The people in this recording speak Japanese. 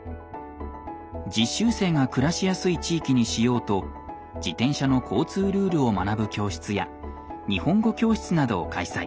実習生が暮らしやすい地域にしようと自転車の交通ルールを学ぶ教室や日本語教室などを開催。